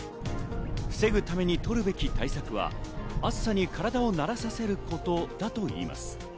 防ぐために取るべき対策は暑さに体を慣れさせることだといいます。